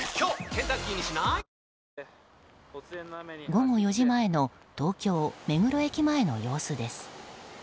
午後４時前の東京・目黒駅前の様子です。